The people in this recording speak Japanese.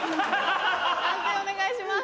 判定お願いします。